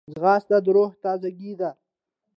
ځغاسته د روح تازګي ده